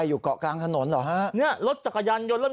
อุ๊ย